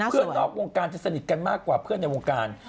นอกวงการจะสนิทกันมากกว่าเพื่อนในวงการ